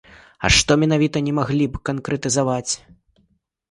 А што менавіта, не маглі б канкрэтызаваць?